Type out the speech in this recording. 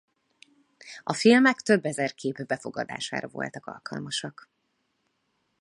A filmek több ezer kép befogadására voltak alkalmasak.